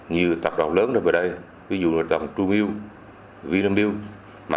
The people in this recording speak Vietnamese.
như tập đoàn lớn như vừa đây ví dụ là tầng trung yêu vnm